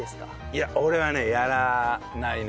いや俺はねやらないね。